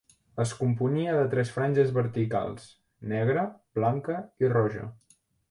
Es componia de tres franges verticals: negra, blanca i roja.